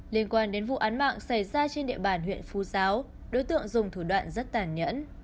liên quan đến vụ án mạng xảy ra trên địa bàn huyện phú giáo đối tượng dùng thủ đoạn rất tàn nhẫn